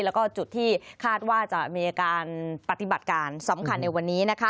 แล้วก็จุดที่คาดว่าจะมีการปฏิบัติการสำคัญในวันนี้นะคะ